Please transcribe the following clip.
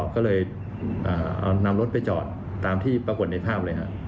ก็เลยนำรถไปจอดตามที่ประกวดในภาพเลยครับ